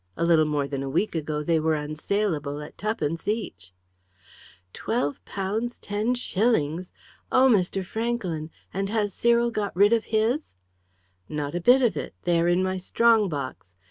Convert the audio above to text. A little more than a week ago they were unsaleable at twopence each." "£12 10s.! oh, Mr. Franklyn! And has Cyril got rid of his?" "Not a bit of it. They are in my strongbox.